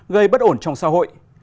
gây bất ổn trong xã hội